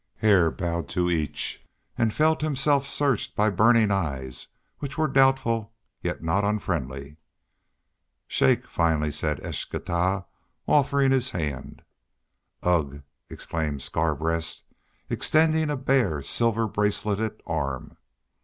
Hare bowed to each and felt himself searched by burning eyes, which were doubtful, yet not unfriendly. "Shake," finally said Eschtah, offering his hand. "Ugh!" exclaimed Scarbreast, extending a bare silver braceleted arm.